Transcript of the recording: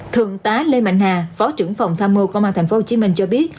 thượng tá lê mạnh hà phó trưởng phòng tham mưu công an tp hcm cho biết